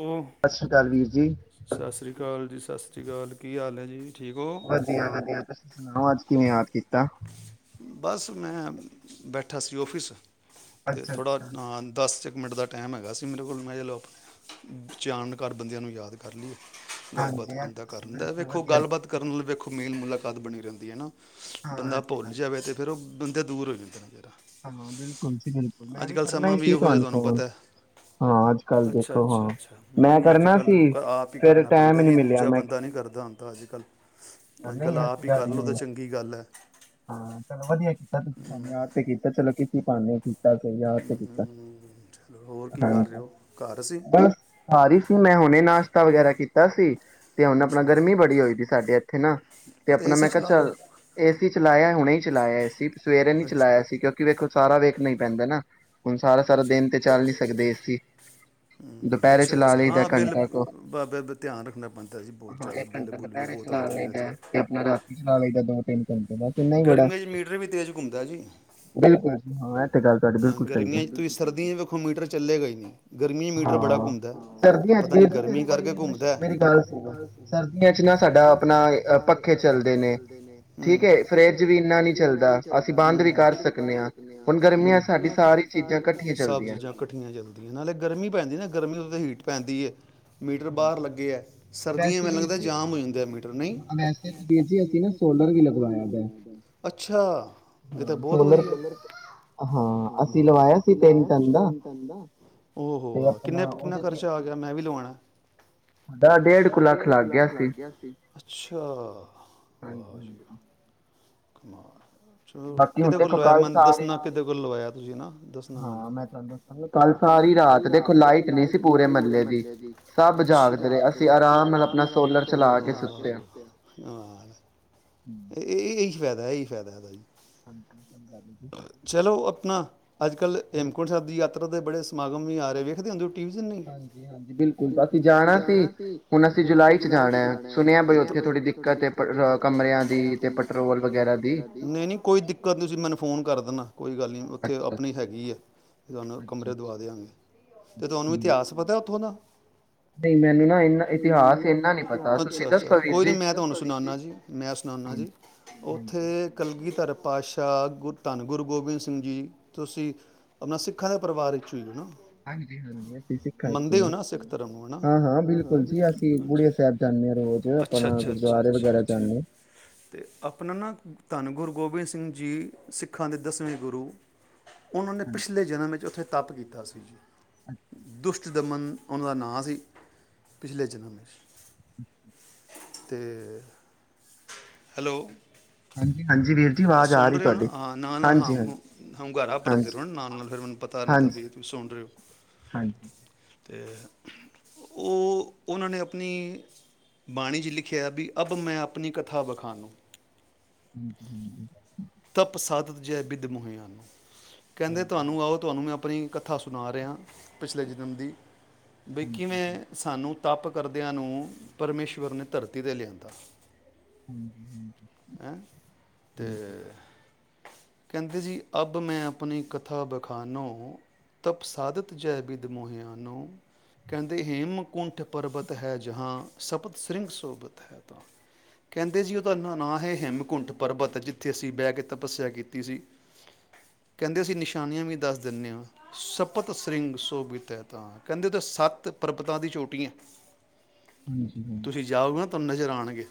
ਓ, ਸਤਿ ਸ਼੍ਰੀ ਅਕਾਲ ਵੀਰ ਜੀ ਸਤਿ ਸ਼੍ਰੀ ਅਕਾਲ ਜੀ! ਸਤਿ ਸ਼੍ਰੀ ਠੀਕ ਹੋਰ ਕੀ ਹਾਲ ਹੈ ਜੀ ਠੀਕ ਹੋ ਵਧੀਆ ਵਧੀਆ ਤੁਸੀਂ ਸੁਣਾਓ ਅੱਜ ਕਿਵੇਂ ਯਾਦ ਕੀਤਾ ਬਸ ਮੈਂ ਬੈਠਾ ਸੀ ਔਫਿਸ ਅਤੇ ਅੱਛਾ ਥੋੜ੍ਹਾ ਅੱਛਾ ਦਸ ' ਇੱਕ ਮਿੰਟ ਦਾ ਟਾਈਮ ਹੈਗਾ ਸੀ ਮੇਰੇ ਕੋਲ ਮੈਂ ਚਲੋ ਆਪਣੇ ਚਿਆਨ ਘਰ ਬੰਦਿਆਂ ਨੂੰ ਯਾਦ ਕਰ ਲਈਏ ਗੱਲਬਾਤ ਹਾਂਜੀ ਅੱਜ ਬੰਦਾ ਕਰ ਤੁਸੀਂ ਲਿੰਦਾ ਬਿਲਕੁਲ ਵੇਖੋ ਵਧੀਆ ਗੱਲਬਾਤ ਕੀਤਾ ਕਰਨ ਲਈ ਵੇਖੋ ਮੇਨ ਮੁਲਾਕਾਤ ਬਣੀ ਰਹਿੰਦੀ ਹੈ ਨਾ ਹਾਂ ਬੰਦਾ ਤੇ ਭੁੱਲ ਗੱਲ ਜਾਵੇ ਤਾਂ ਫਿਰ ਉਹ ਬੰਦੇ ਦੂਰ ਹੋ ਜਾਂਦੇ ਹਾਂ ਬਿਲਕੁਲ ਜੀ ਬਿਲਕੁਲ ਮੈਂ ਅੱਜ ਕੱਲ ਕਰਨਾ ਸਮਾਂ ਹੀ ਵੀ ਸੀ ਇਹੋ ਜਿਹਾ ਤੁਹਾਨੂੰ ਫੋਨ ਪਤਾ ਹਾਂ ਅੱਜ ਕੱਲ ਅੱਛਾ ਦੇਖੋ ਅੱਛਾ ਹਾਂ ਅੱਛਾ ਮੈਂ ਨਹੀਂ ਅੱਜ ਕਰਨਾ ਸੀ ਕੱਲ ਆਪ ਹੀ ਫਿਰ ਕਰਨਾ ਟਾਈਮ ਪੈਂਦਾ ਹੀ ਨਹੀਂ ਜੀ ਮਿਲਿਆ ਦੂਜਾ ਮੈਂ ਬੰਦਾ ਨੀ ਕਰਦਾ ਹੁੰਦਾ ਅੱਜ ਕਲ ਅੱਜ ਨਹੀਂ ਕੱਲ ਐਸੀ ਆਪ ਹੀ ਗੱਲ ਕਰਲੋ ਨਹੀਂ ਤਾਂ ਹੈ। ਚੰਗੀ ਗੱਲ ਹੈ ਹਾਂ ਚਲੋ ਵਧੀਆ ਕੀਤਾ ਤੁਸੀਂ ਸ ਯਾਦ ਤੇ ਕੀਤਾ ਚਲੋ ਕਿੱਸੀ ਪਾਨੇ ਅਸੀਂ ਬੱਸ ਯਾਦ ਤੇ ਕੀਤਾ ਹੀ ਹੈ ਚਲੋ ਹੋਰ ਯ ਕੀ ਕਰ ਰਹੇ ਹਾਂਜੀ ਹੋ ਘਰ ਅਸੀਂ ਬ ਹਾਰੀ ਸੀ ਮੈਂ ਹੁਣੇ ਨਾਸ਼ ਵਗੈਰਾ ਕੀਤਾ ਸੀ ਤੇ ਹੁਣ ਆਪਣਾ ਗਰਮੀ ਬੜੀ ਹੋਈ ਸੀ ਸਾਡੇ ਥ ਨਾ ਤੇ ਅਤੇ ਆਪਣਾ ਏਸੀ ਮੈਂ ਕਿਹਾ ਚਲਾ ਲਓ ਚੱਲ ਇਸ ਚਲਾਇਆ ਹੁਣੇ ਹੀ ਚਲਾਇਆ ਸੀ ਸਵੇਰੇ ਨੀ ਚਲਾਇਆ ਸੀ ਕਿਉਂਕਿ ਵੇਖੋ ਸਾਰਾ ਵੇਖਣਾ ਹੀ ਪੈਂਦਾ ਨਾ ਹੁਣ ਸਾਰਾ ਸਾਰਾ ਦਿਨ ਤੇ ਚੱਲ ਨੀ ਸਕਦੇ ਅਸੀਂ ਹਮ, ਦੁਪਹਿਰੇ ਅੱਛਾ ਚਲਾ ਲਈਦਾ ਹਾਂ ਬਿੱਲ ਘੰਟਾ ਤੋਂ ਬਾਬੇ ਬ- ਧਿਆਨ ਰੱਖਣਾ ਪੈਂਦਾ ਜੀ ਬਹੁਤ ਹਾਂ ਜ਼ਿਆਦਾ ਇੱਕ ਬਿੱਲ ਘੰਟਾ ਬੁੱਲ ਵੀ ਦੁਪਹਿਰੇ ਬਹੁਤ ਚਲਾ ਆਉਂਦੇ ਨੇ ਅੱਜ ਲਈਦਾ ਤੇ ਆਪਣਾ ਰਾਤੀ ਚਲਾ ਲਈਦਾ ਦੋ ਸ ਇਨਾ ਹੀ ਬੜਾ ਗਰਮੀਆਂ 'ਚ ਮੀਟਰ ਵੀ ਤੇਜ਼ ਘੁੰਮਦਾ ਜੀ ਬਿਲਕੁਲ ਹਾਂ ਇਹ ਤੇ ਗੱਲ ਤੁਹਾਡੀ ਹਾਂ ਬਿਲਕੁਲ ਸਹੀ ਹੈ ਗਰਮੀਆਂ ਚ ਤੁਸੀਂ ਸਰਦੀਆਂ ਚ ਵੇਖੋ ਮੀਟਰ ਚੱਲੇਗਾ ਹੀ ਨਹੀਂ ਗਰਮੀ ਮੀਟਰ ਬੜਾ ਹਾਂ ਹੁੰਦਾ ਸਰਦੀਆਂ ਚ ਪਤਾ ਨੀ ਵੀਰ ਜੀ ਫਿਰ ਗਰਮੀ ਕਰ ਕੋਈ ਵੀ ਮਸ਼- ਘੁੰਮਦਾ ਮੇਰੀ ਗੱਲ ਸੁਣੋ ਸਰਦੀਆਂ ਚ ਨਾ ਸਾਡਾ ਅ, ਆਪਣਾ ਪੱਖੇ ਚੱਲਦੇ ਚਦੇ ਨੇ ਹੈ ਠੀਕ ਫਰਿੱਜ ਇੰਨਾ ਫਰਿਜ ਨਹੀਂ ਵੀ ਇਨਾ ਨ ਚੱਲਦਾ ਅਸੀਂ ਚਲਦਾ ਬੰਦ ਵੀ ਕਰ ਸਕਦੇ ਹਾਂ ਸਕ ਸ ਚ ਹੁਣ ਗਰਮੀਆਂ 'ਚ ਸਾਡੀ ਸਾਰੀ ਚੀਜ਼ਾਂ ਇਕੱਠੀਆਂ ਸਭ ਚੱਲਦੀਆਂ ਚੀਜ਼ਾਂ ਕੱਠੀਆਂ ਚੱਲਦੀਆਂ ਗਰਮੀ ਪੈਂਦੀ ਨਾ ਗਰਮੀ ਉਤੇ ਹੀਟ ਪੈਂਦੀ ਹੈ ਮੀਟਰ ਬਾਹਰ ਹਾਂਜੀ। ਲੱਗੇ ਆ ਸਰਦੀਆਂ ਮ ਵੈਸੇ ਵੀਰ ਲਗਦਾ ਜੀ ਜਾਮ ਹੋ ਜਾਂਦੇ ਮੀਟਰ ਨਹੀਂ ਵੈਸੇ ਤਾਂ ਵੀਰ ਜੀ ਅਸੀਂ ਨਾ ਸੋਲਰ ਵੀ ਲਗਵਾਇਆ ਦਾ ਹੈ। ਅੱਛਾ ਫ਼ਿਰ ਤਾ ਹਾਂ ਬਹੁਤ ਸੋਲਰ ਵਧੀਆ ਹਾਂ ਅਸੀਂ ਲਵਾਇਆ ਸੀ ਤਿੰਨ ਟਨ ਦਾ ਤੇ ਆਹ ਕਿੰਨੇ ਆਪਣਾ ਕਿੰਨਾ ਉਹਦੇ ਤੇ ਖ਼ਰਚਾ ਆ ਗਿਆ ਮੈਂ ਵੀ ਲਵਾਣਾ ਡੇਢ ਕ ਲੱਖ ਲਗ ਗਿਆ ਸੀ ਅੱਛਾ ਹਾਂਜੀ ਹਾਂਜੀ ਕੁਮਾਰ [inaudible] ਬਾਕੀ ਹੁਣ ਦੇਖੋ ਕਲ ਸਾ ਨਾ ਕਿਤੇ ਕੋਲ ਲਵਾਇਆ ਤੁਸੀਂ ਨਾ ਦੱਸਣਾ ਨਾ ਮੈਨੂੰ ਕਲ ਸਾਰੀ ਰਾਤ ਦੇਖੋ ਲਾਈਟ ਗਈ ਸੀ ਪੂਰੇ ਮਹੱਲੇ ਦੀ ਸਭ ਜਾਗਦੇ ਰਹੇ ਅਸੀਂ ਆਰਾਮ ਆਪਣਾ ਅਰਾਮ ਨਾਲ ਸੋਲਰ ਚਲਾ ਕੇ ਹੋ ਸੁੱਤੇ [unintelligible] ਹਮ, ਇਹੀ ਫਾਇਦਾ ਇਹੀ ਫਾਇਦਾ ਹਾਂਜੀ ਸਹੀ ਗੱਲ ਹੈ ਜੀ। ਚਲੋ ਆਪਣਾ ਅੱਜ ਕੱਲ੍ਹ ਹੋਰ- ਹੇਮਕੁੰਟ ਸਾਹਿਬ ਦੀ ਯਾਤ ਓਥੇ ਦੇ ਬੜੇ ਸਮਾਗਮ ਵੀ ਆ ਰਹੇ ਵੇਖਦੇ ਹੁੰਦੇ ਔ ਗਏ ਸੋ ਨਹੀਂ ਬਿਲਕੁਲ ਅਸੀਂ ਜਾਣਾ ਸੀ ਹੁਣ ਅਸੀਂ ਜੁਲਾਈ ਚ ਜਾਣੈ ਆ ਸੁਣਿਆ ਉਥੇ ਥੋੜੀ ਦਿੱਕਤ ਕਮਰਿਆਂ ਦੀ ਪੈਟਰੋਲ ਵਗੈਰਾ ਦੀ ਨੀ ਨੀ ਕੋਈ ਦਿੱਕਤ ਨੀ ਤੁਸੀਂ ਮੈਨੂੰ ਫੋਨ ਕਰ ਦਿੰਦਾ ਕੋਈ ਗੱਲ ਨਹੀਂ ਉੱਥੇ ਅੱਛਾ ਆਪਣੀ ਅੱਛਾ ਹੈਗੀ ਹੈ ਵੀ ਤੁਹਾਨੂੰ ਅੱਛਾ ਕਮਰੇ ਦਵਾ ਅੱਛਾ ਦਿਆਂਗੇ ਅਤੇ ਤੁਹਾਨੂੰ ਹਮ। ਇਤਿਹਾਸ ਪਤਾ ਉੱਥੋਂ ਦਾ ਨਹੀਂ ਮੈਨੂੰ ਨਾ ਇਨਾ ਇਤਿਹਾਸ ਇੰਨਾ ਨੀ ਪਤਾ ਤੁਸੀਂ ਅੱਛਾ ਅੱਛਾ ਦੱਸੋ ਵੀਰ ਕੋਈ ਨੀ ਜੀ ਮੈਂ ਤੁਹਾਨੂੰ ਸੁਣਾਨਾ ਜੀ ਮੈਂ ਸੁਣਾਨਾ ਹਾਂਜੀ ਜੀ ਹਾਂਜੀ ਓਥੇ ਕਲਗੀ ਧਰ ਪਾਸ਼ਾ ਗੁਰੂ ਧੰਨ ਗੁਰੂ ਗੋਬਿੰਦ ਸਿੰਘ ਜੀ ਤੁਸੀਂ ਆਪਣਾ ਸਿੱਖਾਂ ਦੇ ਪਰਿਵਾਰ ਵਿੱਚੋਂ ਹੀ ਹੋ ਨਾ ਹਾਂਜੀ ਹਾਂਜੀ ਅਸੀਂ ਸਿੱਖਾਂ ਚ ਮੰਨਦੇ ਹੋ ਨਾ ਸਿੱਖ ਧਰਮ ਨੂੰ ਹੈ ਨਾ ਹਾਂ ਹਾਂ ਹਾਂ ਬਿਲਕੁਲ ਜੀ ਅਸੀਂ ਗੁੜੇ ਸਾਹਿਬ ਜਾਂਦੇ ਹਾਂ ਰੋਜ਼ ਅੱਛਾ ਆਪਣਾ ਅੱਛਾ ਗੁਰਦੁਆਰੇ ਵਗੈਰਾ ਜਾਂਦੇ ਹਾਂ ਤੇ ਆਪਣਾ ਨਾ ਧੰਨ ਗੁਰੂ ਗੋਬਿੰਦ ਸਿੰਘ ਜੀ ਸਿੱਖਾਂ ਦੇ ਦਸਵੇਂ ਗੁਰੂ ਉਹਨਾਂ ਨੇ ਪਿਛਲੇ ਹਾਂਜੀ, ਜਨਮ ਚ ਉੱਥੇ ਤੱਪ ਕੀਤਾ ਸੀ ਜੀ ਦੁਸ਼ਟ ਦਮਨ ਉਹਨਾਂ ਦਾ ਨਾਂ ਸੀ ਪਿਛਲੇ ਜਨਮ ਵਿੱਚ ਅਤੇ ਹੈਲੋ ਹਾਂਜੀ ਹਾਂਜੀ ਵੀਰ ਜੀ ਆਵਾਜ਼ ਆ ਰਹੀ ਰਹੇ ਹੋ ਨਾ ਤੁਹਾਡੀ ਹਾਂ ਨਾ ਨਾਲ ਹਾਂ ਹਾਂਜੀ, ਹਾਂਜੀ, ਹੁ ਹੁੰਗਾਰਾ ਭਰਦੇ ਹਾਂਜੀ, ਰਹੋ ਨਾਲ ਨਾਲ ਫਿਰ ਮੈਨੂੰ ਪਤਾ ਰਹਿੰਦਾ ਹਾਂਜੀ, ਵੀ ਸੁਣ ਰਹੇ ਹੋ ਹਾਂਜੀ। ਅਤੇ ਉਹ ਉਹਨਾਂ ਨੇ ਆਪਣੀ ਬਾਣੀ 'ਚ ਲਿਖਿਆ ਬੀ ਅੱਭ ਮੈਂ ਆਪਣੀ ਕਥਾ ਬਖਾਨੂੰ ਹਮ ਤਪ ਸਾਧਤ ਜਿ ਬਿੱਦ ਮੁੋਹਿ ਆਨੂੰ ਕਹਿੰਦੇ ਤੁਹਾਨੂੰ ਆਓ ਤੁਹਾਨੂੰ ਮੈਂ ਆਪਣੀ ਕਥਾ ਸੁਣਾ ਰਹੇ ਹਾਂ ਪਿਛਲੇ ਜਨਮ ਦੀ ਬਈ ਕਿਵੇਂ ਸਾਨੂੰ ਤਪ ਕਰਦਿਆਂ ਨੂੰ ਪਰਮੇਸ਼ਵਰ ਨੇ ਧਰਤੀ 'ਤੇ ਲਿਆਂਦਾ ਹਮ [unintelligible] ਕਹਿੰਦੇ ਜੀ ਅੱਬ ਮੈਂ ਅਪਣੀ ਕਥਾ ਬਖਾਨੋ ਤਪ ਸਾਧਤ ਜੈ ਬਿੱਦ ਮੋਹਿ ਆਂਨੌ ਕਹਿੰਦੇ ਹੇਮਕੁੰਠ ਪਰਬਤ ਹੈ ਜਹਾ ਸਪਤ ਸਿੰ ਸੋਬਤ ਹੈ ਤਹਾਂ ਕਹਿੰਦੇ ਜੀ ਉਹਦਾ ਨਾਂ ਹੈ ਹੇਮਕੁੰਠ ਪਰਬਤ ਜਿੱਥੇ ਅਸੀਂ ਬਹਿ ਕੇ ਤਪੱਸਿਆ ਕੀਤੀ ਸੀ ਕਹਿੰਦੇ ਅਸੀਂ ਨਿਸ਼ਾਨੀਆਂ ਵੀ ਦੱਸ ਦਿੰਦੇ ਹਾਂ ਸਪਤ ਸਿੰ ਸੋਭਿਤ ਕਹਿੰਦੇ ਸੱਤ ਪਰਬਤਾਂ ਦੀ ਚੋਟੀਆਂ ਤੁਸੀਂ ਜਾਓਗੇ ਨਾ ਤਹਾਨੂੰ ਨਜ਼ਰ ਆਉਣਗੇ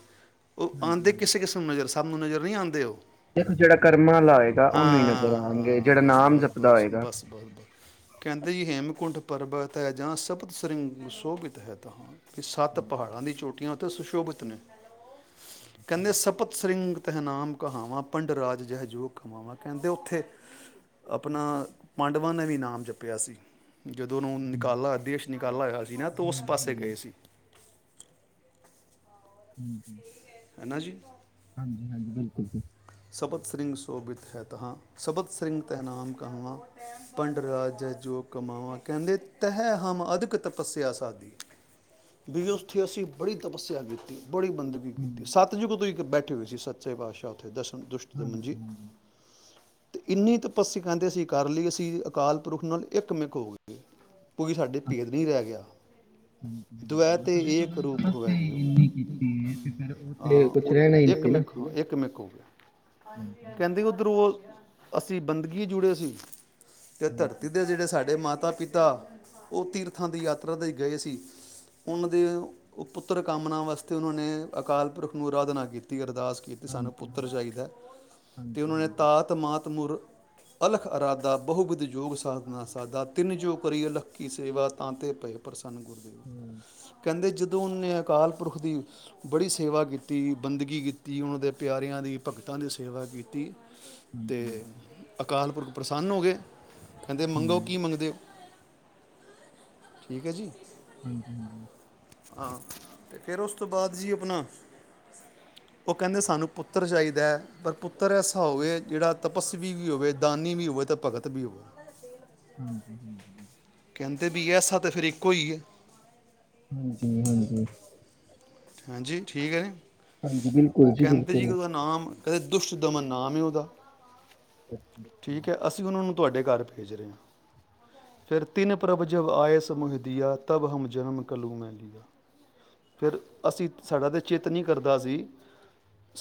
ਉਹ ਆਉਂਦੇ ਕਿਸੇ ਕਿਸੇ ਨੂੰ ਨਜ਼ਰ ਸਭ ਨੂੰ ਨਜ਼ਰ ਨਹੀਂ ਆਉਂਦੇ ਉਹ। ਦੇਖੋ ਜਿਹੜਾ ਕਰਮਾਂ ਵਾਲਾ ਹੋਏਗਾ ਉਹਨੂੰ ਹੀ ਨਜ਼ਰ ਹਾਂ ਆਣਗੇ ਹਾਂ ਜਿਹੜਾ ਬਸ ਨਾਮ ਬਸ ਜਪਦਾ ਬਸ ਹੋਏਗਾ। ਬਸ ਬਸ ਬਸ ਕਹਿੰਦੇ ਜੀ ਹੇਮਕੁੰਟ ਪਰਬਤ ਹੈ ਜਹਾਂ ਸ਼ਪਤ ਸ੍ਰਿਂਗ ਸ਼ੋਭਿਤ ਹੈ ਤਹਾਂ। ਵੀ ਸੱਤ ਪਹਾੜਾਂ ਦੀ ਚੋਟੀਆਂ ਸੁਸ਼ੋਭਿਤ ਨੇ, ਕਹਿੰਦੇ ਸਪਤ ਸ੍ਰਿਂਗ ਤਹਿ ਨਾਮ ਕਹਾਵਾਂ ਪੰਡ ਰਾਜ ਜਿਹ ਯੋਗ ਕਮਾਵਾਂ ਕਹਿੰਦੇ ਉੱਥੇ ਆਪਣਾ ਪਾਂਡਵਾਂ ਨੇ ਵੀ ਨਾਮ ਜਪਿਆ ਸੀ। ਜਦੋਂ ਉਹਨੂੰ ਨਿਕਾਲਾ ਆਦੇਸ਼ ਨਿਕਾਲਾ ਹੋਇਆ। ਜੀ ਨਾ ਤੋ ਉਸ ਪਾਸੇ ਗਏ ਸੀ। ਹਮ ਹ ਹੈ ਨਾ ਜੀ। ਹਾਂਜੀ ਹਾਂਜੀ ਬਿਲਕੁਲ ਜੀ। ਸਪਤ ਸਿ੍ਂਗ ਸੋਭਿਤ ਹੈ ਤਹਾਂ ਸਬਤ ਸਿ੍ਂਗ ਤਹਿਨਾਮ ਕਹਾਵਾਂ ਪੰਡ ਰਾਜ ਜਹ ਜੋਗ ਕਮਾਵਾਂ ਕਹਿੰਦੇ ਤਹਿ ਹਮ ਅਦਕ ਤਪੱਸਿਆ ਸਾਦੀ ਵੀ ਉਥੇ ਅਸੀਂ ਬੜੀ ਤਪੱਸਿਆ ਕੀਤੀ। ਬੜੀ ਬੰਦਗੀ ਕੀਤੀ ਸੱਤ ਜੁਗ ਤੋ ਈ ਬੈਠੇ ਹੋਏ ਸੀ ਸੱਚੇ ਪਾਤਸ਼ਾਹ ਉਥੇ ਦੱਸ ਦੁਸ਼ਟ ਦਮਨ ਜੀ। ਹਾਂਜੀ-ਹਾਂਜੀ। ਤੇ ਇੰਨੀ ਤਪੱਸਯ ਕਹਿੰਦੇ ਅਸੀਂ ਕਰ ਲਈ ਅਸੀਂ ਅਕਾਲ ਪੁਰਖ ਨਾਲ ਇੱਕ ਮਿੱਕ ਹੋ ਗਈਏ ਕੋਈ ਸਾਡੇ ਚ ਭੇਦ ਨਹੀਂ ਰਹਿ ਗਿਆ। ਦੁਐ ਤੇ ਮਤਲਬ ਏਕ ਰੂਪ ਹੋਵੇ ਤੱਪਸਿਆ ਗਿਓ ਇੰਨੀ ਕੀਤੀ ਏ ਤੇ ਫਿਰ ਉਹ ਤੇ ਆ ਕੁਛ ਰਹਿਣਾ ਹੀ ਨੀ ਸੀ ਨਾ। ਹਾਂਜੀ ਕਹਿੰਦੀ ਉਧਰੋ ਓ ਅਸੀ ਬੰਦਗੀ ਜੁੜੇ ਸੀ ਤੇ ਹਾਂਜੀ ਧਰਤੀ ਦੇ ਜਿਹੜੇ ਸਾਡੇ ਮਾਤ ਮਾਤਾ ਪਿਤਾ ਉਹ ਤੀਰਥਾਂ ਦੀ ਯਾਤਰਾ ਤੇ ਗਏ ਸੀ। ਉਹਨਾਂ ਦੇ ਪੁੱਤਰ ਕਾਮਨਾ ਵਾਸਤੇ ਉਹਨਾਂ ਨੇ ਅਕਾਲ ਪੁਰਖ ਨੂੰ ਅਰਾਧਨਾ ਕੀਤੀ। ਅਰਦਾਸ ਕੀਤੀ ਸਾਨੂੰ ਪੁੱ ਹਾਂਜੀ ਪੁੱਤਰ ਚਾਹੀਦਾ ਅਤੇ ਹਾਂਜੀ ਉਹਨਾਂ ਨੇ ਹਾਂਜੀ ਤਾਤ ਮਾਤ ਮੁਰ ਅਲਖ ਅਰਾਦਾ ਬਹੁਵਬਿਦ ਯੋਗ ਸਾਧਨਾ ਸਾਧਾ ਤਿੰਨ ਜੋ ਕਰੀ ਅਲਖ ਕੀ ਸੇਵਾ ਤਾਂ ਤੇ ਪਏ ਪ੍ਰਸ ਗੁਰਦੇਵ ਹਮ, ਕਹਿੰਦੇ ਜਦ ਜਦੋਂ ਉਹਨੇ ਅਕਾਲ ਪੁਰਖ ਦੀ ਬੜੀ ਸੇਵਾ ਕੀਤੀ ਬੰਦਗੀ ਕੀਤੀ ਉਹਨਾਂ ਦੇ ਪਿਆਰਿਆਂ ਦੀ ਭਗਤਾਂ ਦੀ ਸੇਵਾ ਕੀਤੀ ਤੇ ਹਾਂਜੀ ਅਕਾਲ ਪੁਰਖ ਪ੍ਰਸੰਨ ਹੋ ਗਏ ਕਹਿੰਦੇ ਮੰਗੋ ਹਮ, ਕੀ ਮੰਗਦੇ ਹੋ ਠੀਕ ਹੈ ਜੀ ਹਾਂਜੀ ਹਾਂਜੀ ਹਾਂ ਤੇ ਫੇਰ ਉਸ ਤੋਂ ਬਾਅਦ ਜੀ ਅਪਣਾ ਉਹ ਕਹਿੰਦੇ ਸਾਨੂੰ ਪੁੱਤ ਪੁੱਤਰ ਚਾਹੀਦਾ ਹੈ ਪਰ ਪੁੱਤਰ ਐਸਾ ਹੋਵੇ ਜੇਹੜਾ ਤਪਸਵੀ ਵੀ ਹੋਵੇ ਦਾਨੀ ਵੀ ਹੋਵੇ ਅਤੇ ਭਗਤ ਵੀ ਹੋਵੇ ਹਾਂਜੀ ਹਾਂ ਕਹਿੰਦੇ ਵੀ ਐਸਾ ਤਾਂ ਫਿਰ ਇੱਕੋ ਹੀ ਆ ਹਾਂਜੀ -ਹਾਂਜੀ ਹਾਂਜੀ ਠੀਕ ਹੈ ਹਾਂਜੀ! ਬਿਲਕੁਲ ਜੀ, ਬਿਲਕੁਲ, ਦੁਸ਼ਦਮਨ ਨਾਮ ਹੈ ਉਹਦਾ ਠੀਕ ਹੈ ਅਸੀਂ ਉਹਨਾਂ ਨੂੰ, ਤੁਹਾਡੇ ਘਰ ਭੇਜ ਰਿਹਾ ਫਿਰ ਤਿੰਨ ਪ੍ਰਭ ਜਬ ਆਇਸ ਮੋਹਿ ਦੀਆ ਤਬ ਹਮ ਜਨਮ ਕਲੂ ਮੈ ਲੀਜੈ ਫਿਰ ਅਸੀਂ ਸਾਡਾ ਤੇ ਚਿੱਤ ਨਹੀਂ ਕਰਦਾ ਸੀ,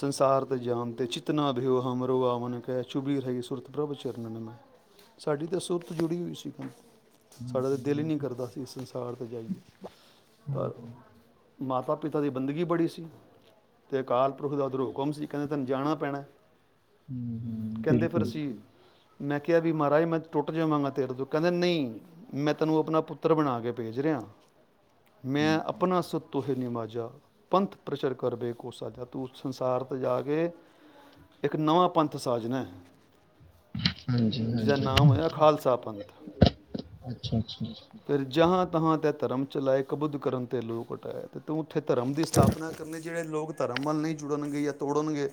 ਸੰਸਾਰ ਤੇ ਜਾਣ ਤੇ ਜਿਤਨਾ ਰਹਿਓ ਹਮਰੋ ਆਵਨ ਕਹਿ ਚੁਭੀ ਰਹੀ ਸੁਰਤਿ ਪ੍ਰਭ ਚਰਨਨ ਸਾਡੀ ਤਾਂ ਸੁਰਤ ਜੁੜੀ ਹੋਈ ਸੀ ਸਾਡਾ ਹਾਂਜੀ ਤਾਂ ਦਿਲ ਹੀ ਨਹੀਂ ਹਾਂਜੀ ਕਰਦਾ ਸੀ ਇਸ ਸੰਸਾਰ ਤੇ ਜਾਈਏ ਪਰ ਹਾਂਜੀ ਮਾਤਾ ਪਿਤਾ ਦੀ ਬੰਦਗੀ ਬੜੀ ਸੀ, ਅਤੇ ਅਕਾਲ ਪੁਰਖ ਦਾ ਉਧਰੋਂ ਹੁਕਮ ਸੀ ਕਹਿੰਦੇ ਤੈਨੂੰ ਜਾਣਾ ਪੈਣਾ ਹਮ -ਹਮ ਕਹਿੰਦੇ ਫਿਰ ਬਿਲਕੁਲ ਅਸੀਂ ਮੈਂ ਕਿਹਾ ਵੀ ਮਹਾਰਾਜ ਮੈਂ ਟੁੱਟ ਜਾਵਾਂਗਾ ਤੇਰੇ ਤੋਂ ਕਹਿੰਦੇ ਨਹੀਂ ਮੈਂ ਤੈਨੂੰ ਆਪਣਾ ਪੁੱਤਰ ਬਣਾ ਕੇ ਭੇਜ ਰਿਹਾ ਮੈਂ ਹਾਂਜੀ ਆਪਣਾ ਸਤੋਸ਼ ਧੰਨਵਾਦ ਪੰਥ ਪ੍ਰਚਰ ਕਰਵੇ ਕੁਸ ਜਾ ਤੂੰ ਸੰਸਾਰ ' ਜਾ ਕੇ ਇੱਕ ਨਵਾਂ ਪੰਥ ਸਾਜਨਾ, ਹਾਂਜੀ ਜਿਸਦਾ ਹਾਂਜੀ ਨਾਮ ਅੱਛਾ ਹੋਇਆ ਖਾਲਸਾ ਪੰਥ ਅੱਛਾ ਅੱਛਾ ਫਿਰ ਜਹਾਂ ਤਹਾਂ ਤੇ ਧਰਮ ਚਲਾਇ ਕਬੁਧ ਕਰਨ ਤੇ ਲੋਕ ਉਟਾਇਆ ਤੇ ਤੂੰ ਉੱਥੇ ਧਰਮ ਦੀ ਸਥਾਪਨਾ ਕਰਨ ਜਿਹੜੇ ਲੋਕ ਧਰਮ ਵੱਲ ਨਹੀਂ ਜੁੜਨਗੇ ਜਾਂ ਤੋੜਨਗੇ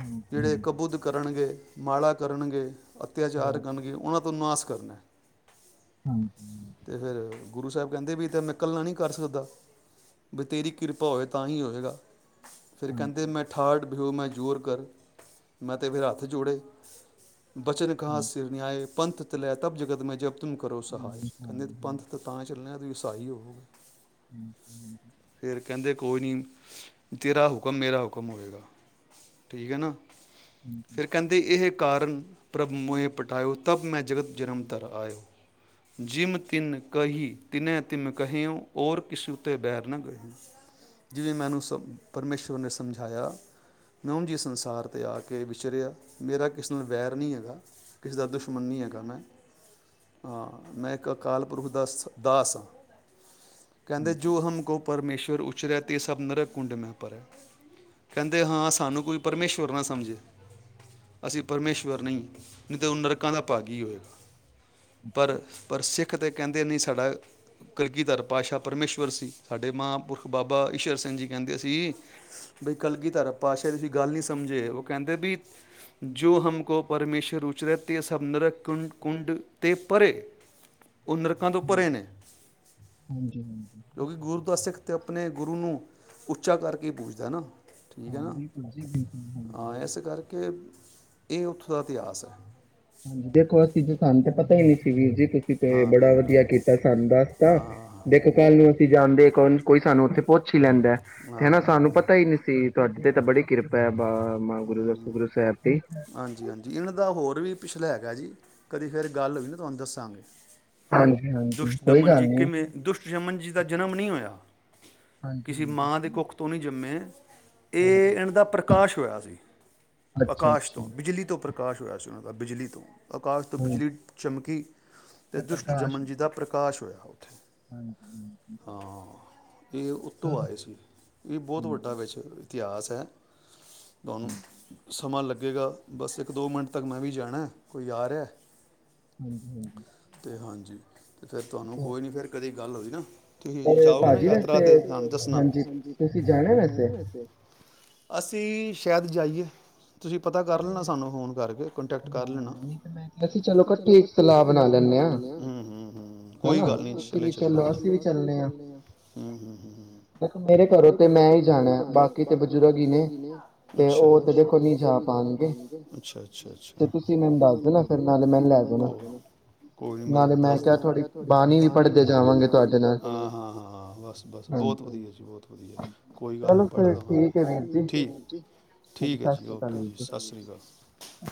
ਹਾਂਜੀ ਜਿਹੜੇ ਹਾਂਜੀ ਕਬੁੱਧ ਕਰਨਗੇ ਮਾਲਾ ਕਰਨਗੇ ਅੱਤਿਆਚਾਰ ਹਾਂਜੀ ਕਰਨਗੇ ਗਏ, ਉਹਨਾਂ ਤੋਂ ਨਾਸ ਕਰਨਾ ਤੇ ਫਿਰ ਹਾਂਜੀ ਗੁਰੂ ਸਾਹਿਬ ਕਹਿੰਦੇ, ਵੀ ਤਾਂ ਨਿਕਲਣਾ ਨਹੀਂ ਕਰ ਸਕਦਾ, ਬਸ ਤੇਰੀ ਕਿਰਪਾ ਹੋਵੇ ਤਾਂ ਹੀ ਹੋਵੇਗਾ। ਫਿਰ ਕਹਿੰਦੇ ਹਾਂਜੀ ਮੈਂ ਥਰਡ। ਜੋ ਹੋਇਆ ਮਨਜੂਰ ਕਰ, ਮੈਂ ਤੇ ਫਿਰ ਹੱਥ ਜੋੜੇ, ਬਚਨ ਕਾ ਸਿਰਨਿਆਏ, ਪੰਥ ਤਲ ਹੈ ਤਬ ਜਗਤ ਮੈਂ ਜਬ, ਤਮ ਕਰੋ ਹਾਂਜੀ ਸਹਾਏ ਹਾਂਜੀ ਹਾਂਜੀ ਕਦੇ ਪੰਥ ਤੇ ਤਾਂ ਚੱਲਣੇ ਤੁਸੀ, ਸਤਾਹੀ ਹੋਵੋ। ਹਮ। ਫਿਰ ਕਹਿੰਦੇ ਕੋਈ ਨਹੀਂ ਤੇਰਾ ਹੁਕਮ, ਮੇਰਾ ਹੁਕਮ ਹੋਵੇਗਾ। ਠੀਕ ਹੈ, ਨਾ ਫਿਰ ਕਹਿੰਦੇ ਇਹ ਕਾਰਨ, ਪ੍ਰਭ ਮੋਹ ਪਟਾਓ ਤਬ ਮੈਂ ਜਗਤ ਜਨਮ ਤਰ ਆਇਓ ਜਿਮ ਤਿਨ ਕਹੀ ਤਿਨੈ ਤਿਮ ਕਹੇਓ ਔਰ ਕਿਸਸੀ ਉੱਤੇ ਬੈਰ ਨਾ ਗਏਓ ਜਿਵੇਂ ਮੈਨੂੰ ਸ ਪਰਮੇਸ਼ੁਰ ਨੇ ਸਮਝਾਇਆ ਮੈਂ ਉਂਝੀ ਸੰਸਾਰ 'ਤੇ ਆ ਕੇ ਵਿਚਰਿਆ ਮੇਰਾ ਕਿਸੇ ਨਾਲ ਵੈਰ ਨਹੀਂ ਹੈਗਾ ਕਿਸੇ ਦਾ ਦੁਸ਼ਮਣ ਨਹੀਂ ਹੈਗਾ ਮੈਂ ਹਾਂ ਮੈਂ ਇੱਕ ਅਕਾਲ ਪੁਰਖ ਦਾ ਸ ਦਾਸ ਹਾਂ ਕਹਿੰਦੇ ਜੋ ਹਮ ਕੋਪ ਸ਼ਰ ਉੱਚਰਿਆ ਅਤੇ ਸਭ ਨਰਕ ਕੁੰਡ ਮੈਂ ਪਰ ਹੈ ਕਹਿੰਦੇ ਹਾਂ ਸਾਨੂੰ ਕੋਈ ਪਰਮੇਸ਼ਵੁਰ ਨਾ ਸਮਝੇ ਅਸੀਂ ਪਰਮੇਸ਼ਵਰ ਨਹੀਂ ਨਹੀਂ ਤਾਂ ਉਹ ਨਰਕਾਂ ਦਾ ਭਾਗ ਹੀ ਹੋਏਗਾ ਪਰ ਪਰ ਸਿੱਖ ਤਾਂ ਕਹਿੰਦੇ ਨਹੀਂ ਸਾਡਾ ਕਲਗੀਧਰ ਪਾਤਸ਼ਾਹ ਪਰਮੇਸ਼ਵੁਰ ਸੀ ਸਾਡੇ ਮਾਂ ਪੁਰਖ ਬਾਬਾ ਈਸ਼ਰ ਸਿੰਘ ਜੀ ਕਹਿੰਦੇ ਸੀ ਬਈ ਕਲਗੀ ਧਾਰ ਪਾਤਸ਼ਾਹ ਦੀ ਤੁਸੀ ਗੱਲ ਨੀ ਸਮਝੇ ਉਹ ਕਹਿੰਦੇ ਵੀ ਜੋ ਹਮ ਕੋ ਪਰਮੇਸ਼ੁਰ ਉਚਰਹਿ ਤੇ ਸਭ ਨਰ ਕੁੰ ਕੁੰਡ ਤੇ ਪਰੇ ਉਹ ਨਰਕਾਂ ਤੋਂ ਭਰੇ ਹਾਂਜੀ ਨੇ ਹਾਂਜੀ ਹਾਂਜੀ ਕਿਉਂਕਿ ਗੁਰ ਸਿੱਖ ਤੇ ਆਪਣੇ ਗੁਰੂ ਨੂੰ ਉੱਚਾ ਕਰਕੇ ਪੂਜਦਾ ਨਾ ਠੀਕ ਹਾਂ ਹੈ ਨਾ ਬਿਲਕੁਲ ਜੀ ਬਿਲਕੁਲ ਹਾਂਜੀ ਹਾਂ ਇਸ ਕਰਕੇ ਇਹ ਉੱਥੋਂ ਦਾ ਇਤਿਹਾਸ ਹੈ ਹਾਂਜੀ ਦੇਖੋ ਅਸੀਂ ਜ ਸਾਨੂੰ ਤੇ ਪਤਾ ਹੀ ਨਹੀਂੀ ਸੀ ਵੀਰ ਜੀ ਤੁਸੀ ਤੇ ਬੜਾ ਵਧੀਆ ਕੀਤਾ ਸਾਨੂੰ ਦੱਸਤਾ ਦੇਖੋ ਕੱਲ ਨੂੰ ਜਾਣਦੇੌਣ ਕੋਈ ਸਾਨੂੰ ਉੱਥੇ ਪੁੱੁੰ ਲੈਂਦਾ ਤੇ ਹਨਾ ਹਾਂ ਸਾਨੂੰ ਪਤਾ ਹੀ ਨਹੀਂ ਸੀ ਤੁਹਾਡਡੀ ਤੇ ਤਾਂ ਬੜੀ ਕਿਰਪਾ ਹੈ ਬਾ ਮੈਂ ਗੁਰੂ ਦੱਸੋ ਗੁਰੂ ਸਾਹਿਬ ਦੀ ਹਾਂਜੀ ਹਾਂਜੀ ਇਹਨਾਂ ਦਾ ਹੋਰ ਵੀ ਪਿਛਲਾ ਹੈਗਾ ਜੀ ਕਦੀ ਫੇਿਰ ਗੱਲ ਹੋਈ ਨਾ ਤੁਹਾਨੂੰ ਦੱਸਾਂਗੇ ਹਾਂਜੀ ਹਾਂਜੀ ਕੋਈ ਦੁਸ਼ਟਦਮਨ ਗੱਲ ਜੀ ਨਹੀਂ ਕਿਵੇਂ ਦੁਸ਼ਟਦਮਨ ਜੀ ਦਾ ਜਨਮ ਨਹੀਂ ਹੋਇਆ ਹਾਂਜੀ ਕਿਸੇਸੀ ਹਾਂਜੀ ਮਾਂ ਦੇ ਕੁੱਖ ਤੋਂ ਨਹੀਂ ਜੰਮੇ ਇਹ ਹਾਂਜੀ ਇਹਨਾਂਦਾ ਪ੍ਰਕਾਸ਼ ਇ ਸੀ ਅੱਛਾ ਆਕਾਸ਼ ਅੱਛਾ ਤੋਂ ਬਿਜਲੀ ਤੋਂ ਉੱਪਰ ਪ੍ਰਕਾਸ਼ ਹੋਇਆ ਚਣ ਦਾ ਬਿਜਲੀ ਤੋਂ ਆਕਾਸ਼ ਤੋਂ ਹਾਂਜੀ ਬਿਜਲੀ ਚਮਕੀ ਅਤੇ ਤੇ ਦੁਸ਼ਟ ਪ੍ਰਕਾਸ਼ ਜਮਨ ਜੀ ਦਾ ਪ੍ਰਕਾਸ਼ ਹੋਇਆ ਉੱਥੇ ਹਾਂਜੀ ਹਾਂਜੀ ਹਾਂ ਇਹ ਉੱਤੋਂ ਚਲੋ ਆਏ ਸੀ ਇਹ ਬਹੁਤ ਹਾਂਜੀ ਵੱਡਾ ਇਤਿਹਾਸ ਹੈ ਤੁਹਾਨੂੰ ਸਮਾਂ ਲੱਗ ਅੱਗੇਗਾ ਬਸ ਇੱਕ ਦੋ ਮਿੰਟ ਤੱਕ ਮੈਂ ਵੀ ਜਾਣਾ ਕੋਈ ਹਾਂਜੀ ਹਾਂਜੀ [unintelligible] ਤੇ ਹਾਂਜੀ ਤੇ ਫਿਰ ਤੁਹਾਨੂੰ ਕੋਈ ਨੀ ਫੇਰ ਕਦੇ ਗੱਲ ਹੋਈ ਨਾ ਤੁਸੀਂ ਤੇ ਜਾਓਗੇ ਨਾ ਭਾਜੀ ਯਾਤਰਾ ਵੈਸੇ ਤੇ ਦੱਸਣਾ ਹਾਂਜੀ ਤੁਸੀਂ ਜਾਣਾ ਜਾਣੇ ਵੈਸੇ ਅਸੀਂ ਸ਼ਾਇਦ ਜਾਈਏ ਤੁਸੀਂ ਪਤਾ ਕਰ ਲੈਣਾ ਸਾਨੂੰ ਫੋਨ ਕਰਕੇ ਕਾਂਟੈਕਟ ਕਰ ਹਾਂ ਲੈਣਾ ਨਹੀਂ ਤੇ ਮੈਂ ਕਿਹਾ ਸੀ ਚਲੋ ਇਕੱਠੇ ਇੱਕ ਸਲਾਹ ਬਣਾ ਲੈਂਦੇ ਹਾਂ ਲੈਣੇ ਹਾਂ ਕੋਈ ਹਨਾ ਗਲ ਤੁਸੀਂ ਨਹੀ ਵੀ ਚਲਾਂਗੇ ਚਲੋ ਅਸੀਂ ਵੀ ਚੱਲਣੇ ਹਾਂ ਮੇਰੇ ਘਰੋਂ ਤੇ ਮੈਂ ਹੀ ਜਾਣਾ ਬਾਕੀ ਬਜ਼ੁਰਗ ਨੇ ਤੇ ਅੱਛਾ ਉਹ ਤੇ ਦੇਖੋ ਨਹੀਂ ਜਾ ਪਾਉਣਗੇ ਅੱਛਾ ਅੱਛਾ ਫੇਰ ਤੁਸੀ ਮੈਨੂੰ ਦੱਸ ਦੇਣਾ ਫੇਰ ਨਾਲੇ ਮੈਂਨੂੰ ਲੇ ਜਾਣਾ ਕੋਈ ਨੀਂ ਮੈਂ ਤੈਨੂੰ ਦੱਸ ਦਿੰਨਾ ਫਿਰ ਮੈਂ ਕਿਹਾ ਨਾਲੇ ਬਾਣੀ ਵੀ ਪੜੱਦੇ ਜਾਵਾਂਗੇ ਤੁਹਾਡੇ ਲਈ ਹਾਂ ਹਾਂ ਬਸ ਬਸ ਹਾਂਜੀ ਬਹੁਤ ਵਧੀਆ ਜੀ ਬਹੁਤ ਵਧੀਆ ਕੋਈ ਗੱਲ ਨੀਂ ਚਲੋ ਭਰਦਿਆਂ ਚਲੋ ਫੇਰ ਠੀਕ। ਹਾਂਜੀ ਠੀਕ ਹੈ ਸਤਿ ਜੀ ਸ਼੍ਰੀ ਓਕੇ ਅਕਾਲ ਜੀ ਸਤਿ ਸ੍ਰੀ ਅਕਾਲ ਜੀ।